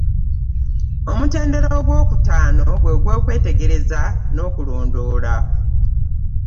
Omutendera ogw'okutaano gwe gw'okwetegereza n'okulondoola.